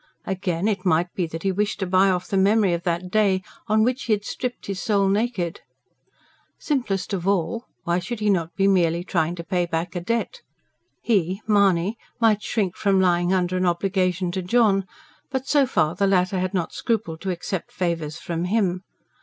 Again, it might be that he wished to buy off the memory of that day on which he had stripped his soul naked. Simplest of all, why should he not be merely trying to pay back a debt? He, Mahony, might shrink from lying under an obligation to John, but, so far, the latter had not scrupled to accept favours from him.